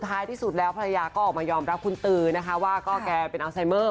ท้ายที่สุดแล้วภรรยาก็ออกมายอมรับคุณตือนะคะว่าก็แกเป็นอัลไซเมอร์